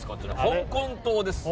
香港島です。